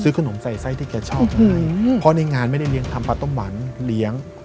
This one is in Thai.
ขนมใส่ไส้ที่แกชอบเพราะในงานไม่ได้เลี้ยงทำปลาต้มหวานเลี้ยง